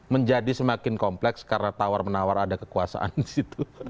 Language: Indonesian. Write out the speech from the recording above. menjadi semakin kompleks karena tawar menawar ada kekuasaan di situ